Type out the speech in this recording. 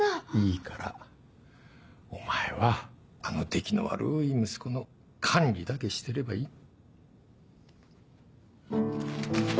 いいからお前はあのできの悪い息子の管理だけしてればいい。